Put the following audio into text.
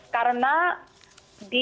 karena di akhir penghujung tahun